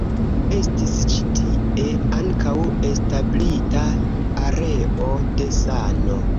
Estis ĉi tie ankaŭ establita areo de sano.